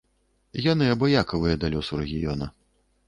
Яны абыякавыя да лёсу рэгіёна.